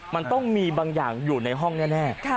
มันต้องมีบางอย่างอยู่ในห้องแน่